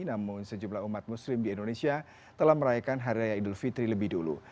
namun sejumlah umat muslim di indonesia telah merayakan hari raya idul fitri lebih dulu